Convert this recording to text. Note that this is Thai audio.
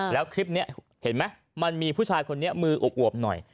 แล้วคลิปนี้เห็นไหมมันมีผู้ชายคนนี้มืออวบหน่อย